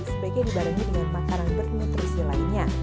spk dibarengi dengan makanan bernutrisi lainnya